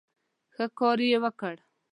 ښه ښکار یې وکړ.